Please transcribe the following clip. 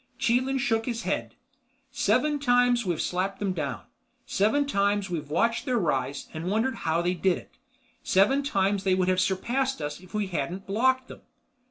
Chelan shook his head. "Seven times we've slapped them down. Seven times we've watched their rise—and wondered how they did it. Seven times they would have surpassed us if we hadn't blocked them.